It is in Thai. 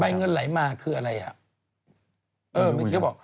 ใบเงินไหลมาคืออะไรครับ